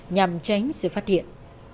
nhằm tránh sự phát hiện